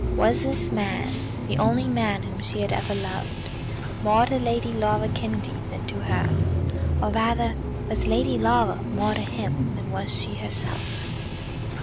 Was this man, the only man whom she had ever loved, more to Lady Laura Kennedy than to her; or rather, was Lady Laura more to him than was she herself?